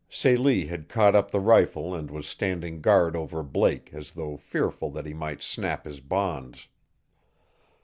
Celie had caught up the rifle and was standing guard over Blake as though fearful that he might snap his bonds.